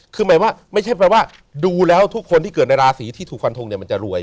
คือหมายว่าไม่ใช่แปลว่าดูแล้วทุกคนที่เกิดในราศีที่ถูกฟันทงเนี่ยมันจะรวย